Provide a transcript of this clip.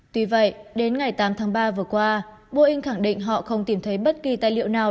tuy vậy đến ngày tám tháng ba vừa qua boeing khẳng định họ không tìm thấy bất kỳ tài liệu nào